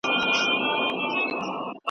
انجينري په پښتو کړئ.